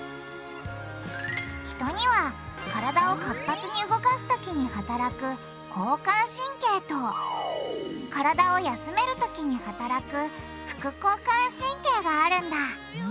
人には体を活発に動かすときにはたらく「交感神経」と体を休めるときにはたらく「副交感神経」があるんだ。